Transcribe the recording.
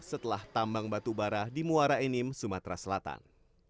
setelah tambang batu bara di muara enim sumatera selatan